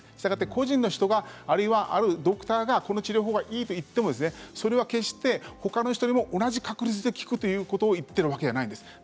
個人の人あるいはドクターがこの治療法がいいと言っても決して他の人にも同じ確率で効くということを言っているわけではありません。